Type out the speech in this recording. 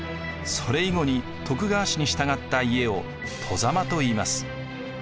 それ以後に徳川氏に従った家を「外様」といいます。